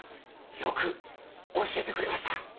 よく教えてくれました。